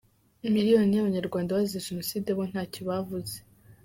Milliyoni y’abanyarwanda bazize Genocide bo ntacyo bavuze !